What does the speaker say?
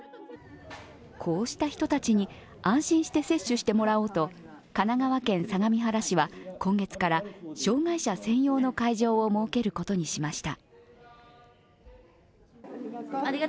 こうした人たちに安心して接種してもらおうと神奈川県相模原市は今月から障害者専用の会場を設けることにしました。